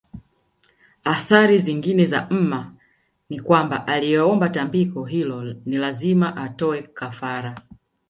Athari zingine za mma ni kwamba aliyeomba tambiko hilo ni lazima atoe kafara